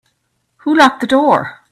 Who locked the door?